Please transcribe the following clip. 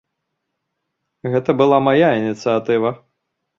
Гэта была мая ініцыятыва.